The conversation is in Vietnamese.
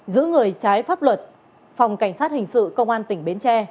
giữ người trái pháp luật phòng cảnh sát hình sự công an tỉnh bến tre